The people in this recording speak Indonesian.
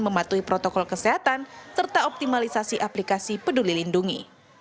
mematuhi protokol kesehatan serta optimalisasi aplikasi peduli lindungi